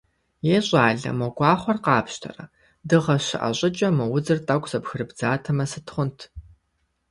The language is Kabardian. Е, щӏалэ, мы гуахъуэр къапщтэрэ, дыгъэ щыӏэ щӏыкӏэ, мо удзыр тӏэкӏу зэбгырыбдзатэмэ сыт хъунт?